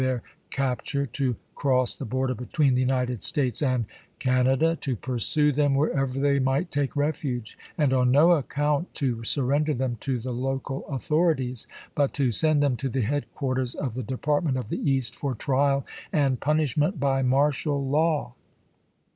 i. their capture, to cross the border between the United States and Canada, to pui'sue them wher ever they might take refuge, and on no account to surrender them to the local authorities, but to send them to the headquarters of the Department of the East for trial and punishment by martial law.